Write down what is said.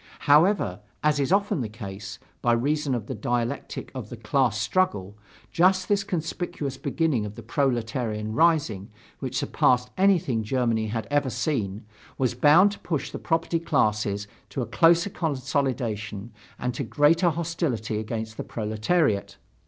However, as is often the case, by reason of the dialectic of the class struggle, just this conspicuous beginning of the proletarian rising, which surpassed anything Germany had ever seen, was bound to push the property classes to a closer consolidation and to greater hostility against the proletariat.